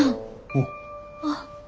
おう。